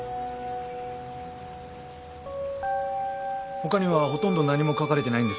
他にはほとんど何も書かれてないんです